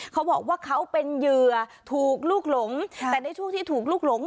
เขาบอกว่าเขาเป็นเหยื่อถูกลูกหลงแต่ในช่วงที่ถูกลุกหลง